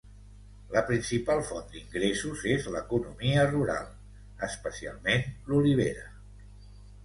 La principal font d'ingressos és l'economia rural, especialment l'olivera.